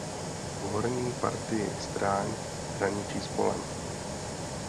V horní partii stráň hraničí s polem.